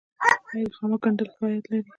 آیا د خامک ګنډل ښه عاید لري؟